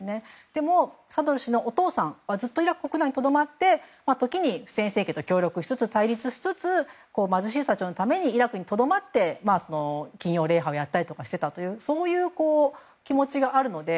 でも、サドル師のお父さんはずっとイラク国内にとどまって時にフセイン政権と協力しつつ対立しつつ貧しい人たちのためにイラクにとどまって、金曜礼拝をやったりしていたというそういう気持ちがあるので。